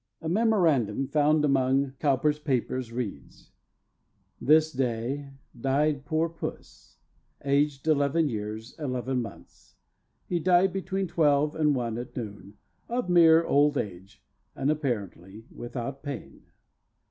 A memorandum found among Cowper's papers reads: "This day died poor Puss, aged eleven years, eleven months. He died between twelve and one at noon, of mere old age, and apparently without pain."